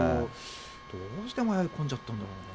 どうして迷い込んじゃったんだろうな。